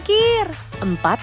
serta tawaran panduan